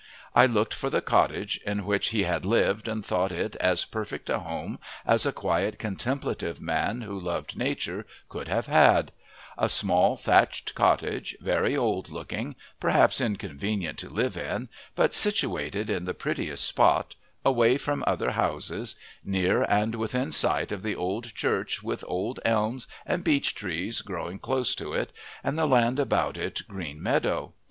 I looked for the cottage in which he had lived and thought it as perfect a home as a quiet, contemplative man who loved nature could have had: a small, thatched cottage, very old looking, perhaps inconvenient to live in, but situated in the prettiest spot, away from other houses, near and within sight of the old church with old elms and beech trees growing close to it, and the land about it green meadow.